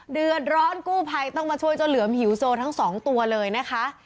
เดือดร้อนกู้ภัยต้องมาช่วยเจ้าเหลือมหิวโซทั้งสองตัวเลยนะคะ